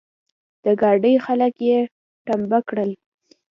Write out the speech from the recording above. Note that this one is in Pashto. د ګاډي خلګ يې ټمبه کړل.